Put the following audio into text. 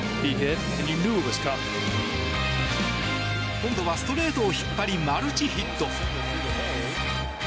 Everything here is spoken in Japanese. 今度はストレートを引っ張りマルチヒット。